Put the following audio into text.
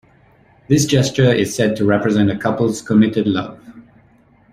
This gesture is said to represent a couple's committed love.